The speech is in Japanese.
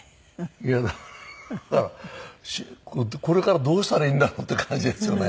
いやだからこれからどうしたらいいんだろうっていう感じですよね。